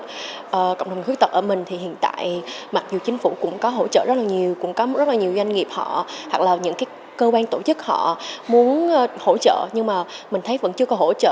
cộng đồng người khuyết tật ở mình thì hiện tại mặc dù chính phủ cũng có hỗ trợ rất là nhiều cũng có rất là nhiều doanh nghiệp họ hoặc là những cái cơ quan tổ chức họ muốn hỗ trợ nhưng mà mình thấy vẫn chưa có hỗ trợ